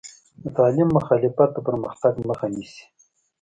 د تعلیم مخالفت د پرمختګ مخه نیسي.